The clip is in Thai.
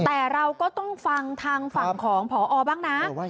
แต่เราก็ต้องฟังทางฝั่งของผอบ้างนะ